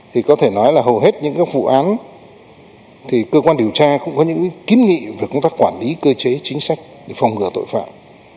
thì có thể nói là hầu hết những vụ án thì cơ quan điều tra cũng có những kiến nghị về công tác quản lý cơ chế chính sách để phòng ngừa tội phạm